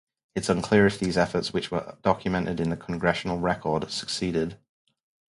It's unclear if these efforts, which were documented in the "Congressional Record", succeeded.